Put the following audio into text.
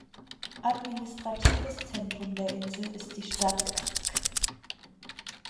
Administratives Zentrum der Insel ist die Stadt Krk.